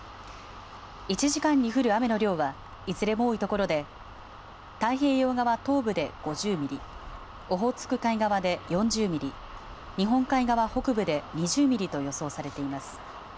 １時間に降る雨の量はいずれも多いところで太平洋側東部で５０ミリオホーツク海側で４０ミリ日本海側北部で２０ミリと予想されています。